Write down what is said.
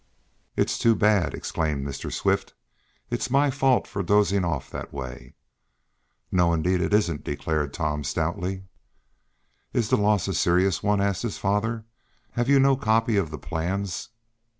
"It's too bad!" exclaimed Mr. Swift. "It's my fault, for dozing off that way." "No, indeed, it isn't!" declared Tom stoutly. "Is the loss a serious one?" asked his father. "Have you no copy of the plans?"